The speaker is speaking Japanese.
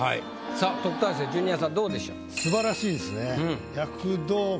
さあ特待生ジュニアさんどうでしょう？